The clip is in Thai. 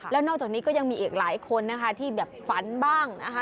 แล้วนอกจากนี้ก็ยังมีอีกหลายคนนะคะที่แบบฝันบ้างนะคะ